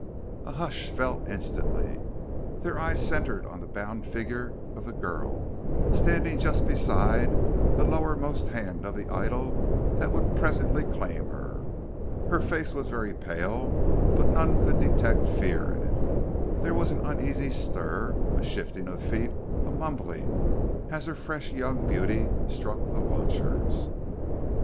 A hush fell instantly. Their eyes centered on the bound figure of the girl, standing just beside the lowermost hand of the idol that would presently claim her. Her face was very pale, but none could detect fear in it. There was an uneasy stir, a shifting of feet, a mumbling, as her fresh young beauty struck the watchers.